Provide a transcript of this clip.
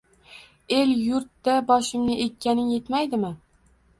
El-yurtda boshimni egganing yetmaydimi?